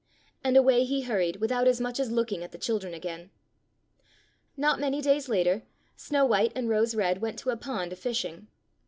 And away he hurried without as much as looking at the children again. Not many days later, Snow white and Rose red went to a pond a fishing.